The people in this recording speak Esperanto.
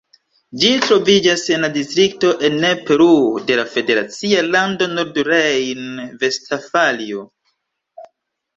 Ĝi troviĝas en la distrikto Ennepe-Ruhr de la federacia lando Nordrejn-Vestfalio.